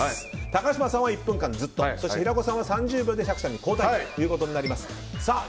高嶋さんは１分間ずっと平子さんは３０秒で釈さんに交代ということになります。